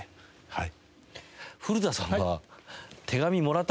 はい。